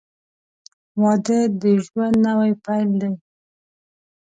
• واده د ژوند نوی پیل دی.